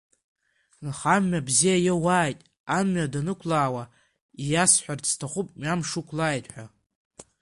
Нхамҩа бзиа иоуааит, амҩа даннықәлауа иасҳәарц сҭахуп мҩамш уқәлааит ҳәа.